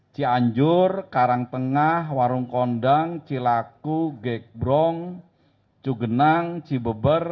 cianjur karangtengah warungkondang cilaku gekbrong cugenang cibeber